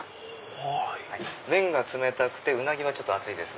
麺が冷たくてうなぎは熱いです。